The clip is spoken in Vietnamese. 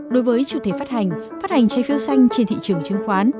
đối với chủ thể phát hành phát hành trái phiếu xanh trên thị trường chứng khoán